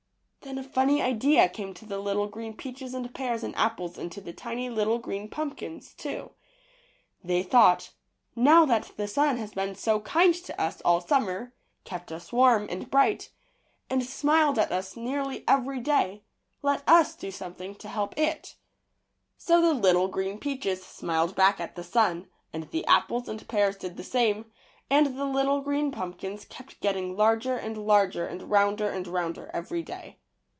Then a funny idea came to the little green peaches and pears and apples and to the tiny little green pumpkins, too. They thought: ''Now that the sun has been so kind to us all summer, kept us warm and bright, and smiled at us nearly every day, let us do some thing to help it.'' So the little green peiaches smiled back at the sun, and the apples and pears did the same, and the little green pumpkins kept getting larger and larger and rounder and rounder every day.